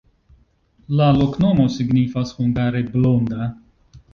La loknomo signifas hungare: blonda.